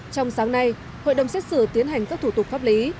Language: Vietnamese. trong sáng nay hội đồng xét xử tiến hành các thủ tục pháp lý